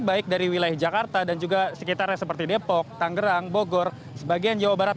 baik dari wilayah jakarta dan juga sekitarnya seperti depok tanggerang bogor sebagian jawa barat